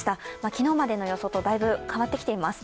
昨日までの予想とだいぶ変わってきています。